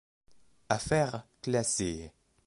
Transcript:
Affaire classée...